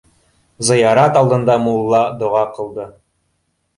Зыярат алдында мулла доға ҡылды.